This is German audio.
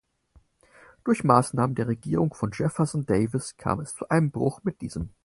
Durch Maßnahmen der Regierung von Jefferson Davis kam es zum Bruch mit diesem.